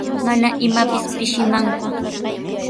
Mana imapis pishimanku.